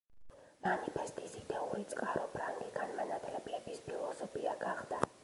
მანიფესტის იდეური წყარო ფრანგი განმანათლებლების ფილოსოფია გახდა.